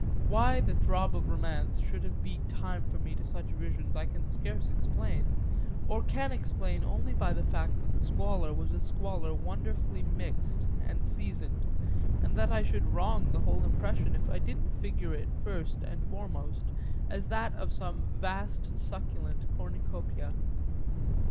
Why the throb of romance should have beat time for me to such visions I can scarce explain, or can explain only by the fact that the squalor was a squalor wonderfully mixed and seasoned, and that I should wrong the whole impression if I didn't figure it first and foremost as that of some vast succulent cornucopia.